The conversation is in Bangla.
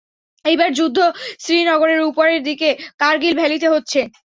এইবার যুদ্ধ শ্রী নগরের উপরের দিকে কার্গিল ভ্যালিতে হচ্ছে।